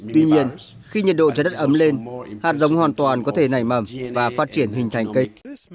tuy nhiên khi nhiệt độ trái đất ấm lên hạt giống hoàn toàn có thể nảy mầm và phát triển hình thành cây